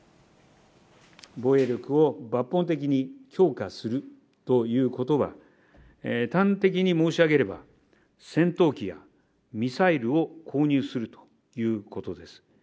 防衛力を抜本的に強化するということは、端的に申し上げれば、戦闘機やミサイルを購入するということです。